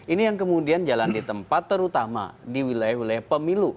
ini yang kemudian jalan di tempat terutama di wilayah wilayah pemilu